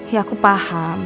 ya aku paham